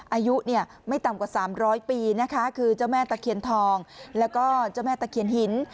อายุเนี่ยไม่ต่ำกว่า๓๐๐ปีนะคะคือเจ้าแม่ตะเคียนทองแล้วก็เจ้าแม่ตะเคียนหิน